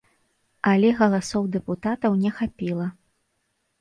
Але галасоў дэпутатаў не хапіла.